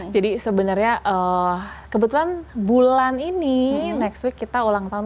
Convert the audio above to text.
jadi sebenarnya kebetulan bulan ini next week kita ulang tahun